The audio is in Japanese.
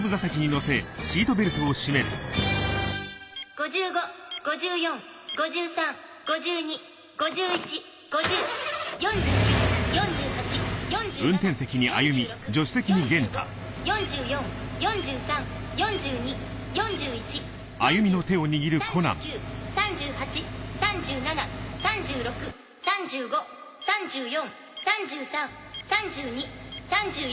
⁉５５・５４・５３・５２５１・５０・４９・４８・４７４６・４５・４４・４３４２・４１・４０３９・３８・３７・３６３５・３４・３３・３２・３１。